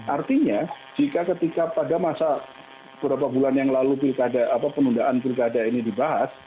artinya jika ketika pada masa beberapa bulan yang lalu penundaan pilkada ini dibahas